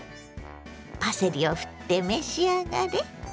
パセリをふって召し上がれ。